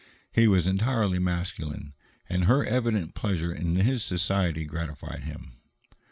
He was entirely masculine, and her evident pleasure in his society gratified him.